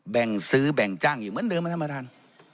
แบ่งซื้อแบ่งจ้างอยู่เหมือนเดิมไหมท่านประธาน